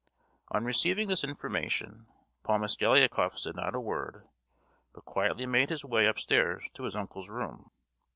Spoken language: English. On receiving this information, Paul Mosgliakoff said not a word, but quietly made his way upstairs to his uncle's room.